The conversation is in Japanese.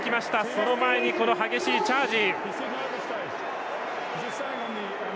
その前に、激しいチャージ。